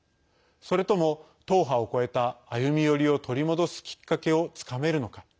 それとも党派を超えた歩み寄りを取り戻すきっかけをつかめるのか。